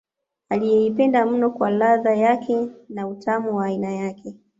Aliyeipenda mno kwa ladha yake na utamu wa aina yake